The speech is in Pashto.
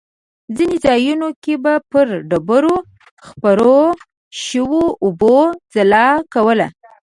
ځینې ځایونو کې به پر ډبرو خپرو شوو اوبو ځلا کوله.